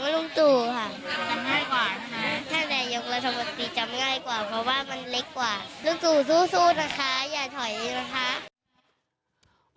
ลูกตั๋วสู้นะคะไม่จำนิดหน่อย